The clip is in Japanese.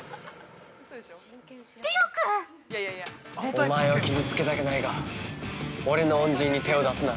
◆おまえを傷つけたくないが、俺の恩人に手を出すな。